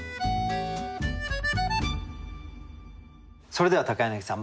それでは柳さん